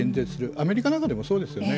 アメリカなんかでもそうですよね。